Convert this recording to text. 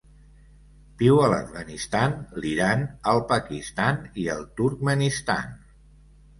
Viu a l'Afganistan, l'Iran, el Pakistan i el Turkmenistan.